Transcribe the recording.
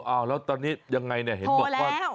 อ้าวแล้วเตอร์เนี่ยยังไงเนี่ย